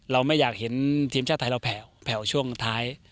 เราไม่อยากเห็นทีมชาติไทยเราแผ่วช่วงท้าย